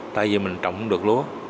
tại vì mình trồng không được lúa